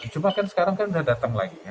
cuma kan sekarang sudah datang